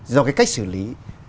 do cái cách xử lý